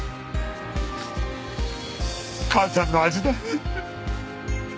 母ちゃんの味だ。